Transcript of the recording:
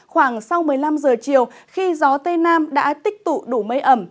khoảng sau một mươi năm giờ chiều khi gió tây nam đã tích tụ đủ mây ẩm